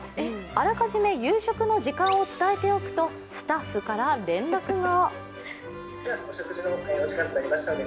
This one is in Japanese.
あらかじめ夕食の時間を伝えておくとスタッフから連絡が。